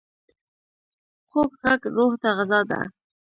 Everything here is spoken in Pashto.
خوږ غږ روح ته غذا ده.